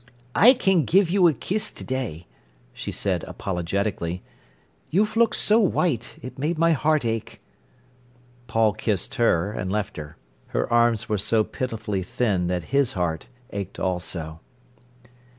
"I can give you a kiss to day," she said apologetically. "You've looked so white, it's made my heart ache." Paul kissed her, and left her. Her arms were so pitifully thin that his heart ached also.